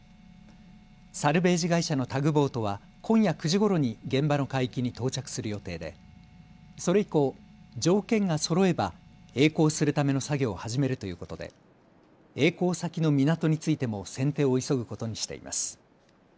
サルベージ会社のタグボートは今夜９時ごろに現場の海域に到着する予定でそれ以降、条件がそろえばえい航するための作業を始めるということでえい航先の港についても選定を急ぐことにしています。